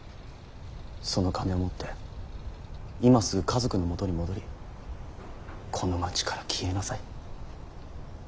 その金を持って今すぐ家族の元に戻りこの街から消えなさい。